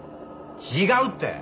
違うって！